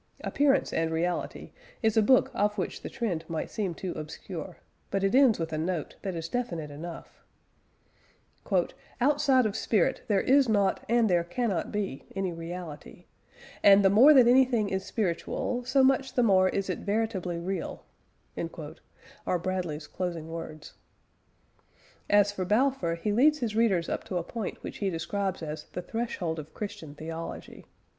Appearance and Reality is a book of which the trend might seem too obscure, but it ends with a note that is definite enough: "Outside of spirit there is not, and there cannot be, any reality; and, the more that anything is spiritual, so much the more is it veritably real," are Bradley's closing words. As for Balfour, he leads his readers up to a point which he describes as "the threshold of Christian Theology."